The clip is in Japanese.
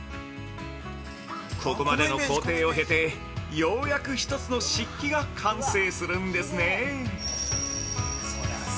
ここまでの工程を経てようやく１つの漆器が完成するんですね。